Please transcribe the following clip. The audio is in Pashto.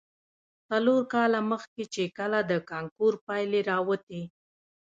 څلور کاله مخې، چې کله د کانکور پايلې راوتې.